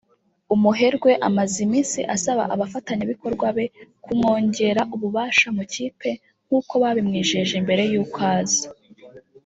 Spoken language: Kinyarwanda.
umuherwe amaze iminsi asaba abafatanyabikorwa be kumwongera ububasha mu ikipe nk’uko babimwijeje mbere y’uko aza